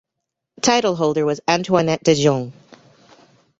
Title holder was Antoinette de Jong.